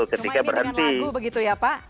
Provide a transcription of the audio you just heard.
ketika ini dengan lagu begitu ya pak